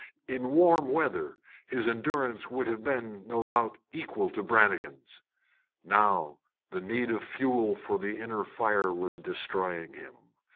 In warm weather his endurance would have been, no doubt, equal to Brannigan's. Now the need of fuel for the inner fire was destroying him.